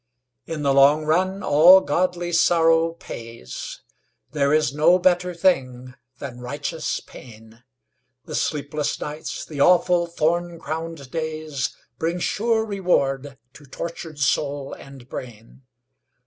In the long run all godly sorrow pays, There is no better thing than righteous pain, The sleepless nights, the awful thorn crowned days, Bring sure reward to tortured soul and brain.